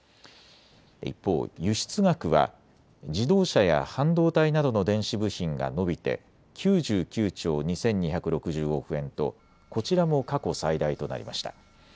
一方、輸出額は自動車や半導体などの電子部品が伸びて９９兆２２６５億円とこちらも過去最大となりました。